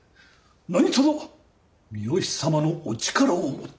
何とぞ三好様のお力をもって。